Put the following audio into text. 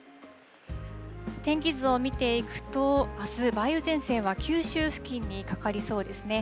天気図を見ていくと、あす、梅雨前線は九州付近にかかりそうですね。